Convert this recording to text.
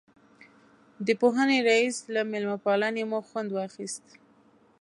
د پوهنې رئیس له مېلمه پالنې مو خوند واخیست.